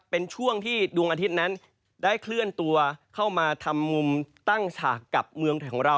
เป็นช่วงที่ดวงอาทิตย์นั้นได้เคลื่อนตัวเข้ามาทำมุมตั้งฉากกับเมืองไทยของเรา